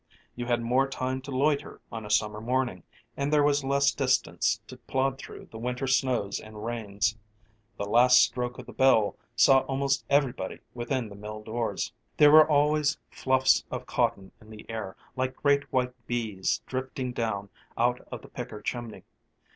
You had more time to loiter on a summer morning, and there was less distance to plod through the winter snows and rains. The last stroke of the bell saw almost everybody within the mill doors. There were always fluffs of cotton in the air like great white bees drifting down out of the picker chimney.